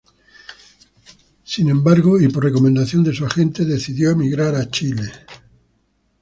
Sin embargo, y por recomendación de su agente, decidió emigrar a Chile.